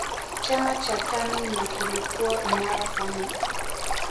chama cha tanu na kilikuwa imara sana